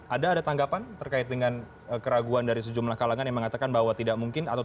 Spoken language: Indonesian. ada ada tanggapan terkait dengan keraguan dari sejumlah kalangan yang mengatakan bahwa tidak mungkin